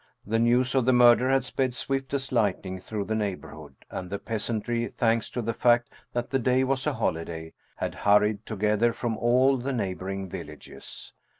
The news of the murder had sped swift as lightning through the neighborhood, and the peasantry, thanks to the fact that the day was a holiday, had hurried together from all the neighboring villages.